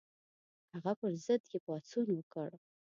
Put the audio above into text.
هغه پر ضد یې پاڅون وکړ.